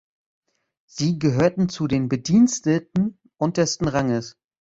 Sie gehörten zu den Bediensteten untersten Ranges.